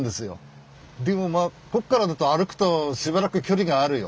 でもまあここからだと歩くとしばらく距離があるよ。